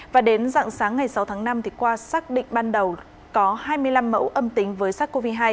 và đến dạng sáng ngày sáu tháng năm qua xác định ban đầu có hai mươi năm mẫu âm tính với sars cov hai